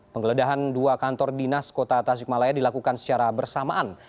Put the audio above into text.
penggeledahan dua kantor dinas kota tasikmalaya dilakukan secara bersamaan